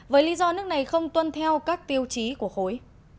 với lý do nước này không tuân theo các tiêu chí của khối